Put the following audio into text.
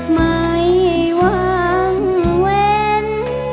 ไม่วางเว้น